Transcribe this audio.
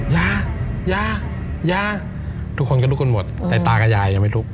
ยายายายาทุกคนก็ลุกกันหมดแต่ตากับยายยังไม่ลุก